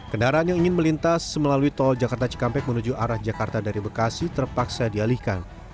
kendaraan yang ingin melintas melalui tol jakarta cikampek menuju arah jakarta dari bekasi terpaksa dialihkan